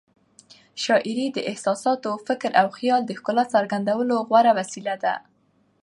شاعري د احساساتو، فکر او خیال د ښکلا څرګندولو غوره وسیله ده.